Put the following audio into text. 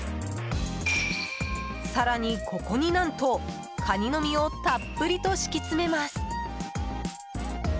更に、ここに何とカニの身をたっぷりと敷き詰めます。